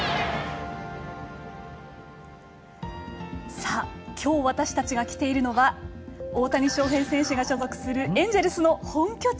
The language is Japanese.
さあ、きょう私たちが来ているのは大谷翔平選手が所属するエンジェルスの本拠地。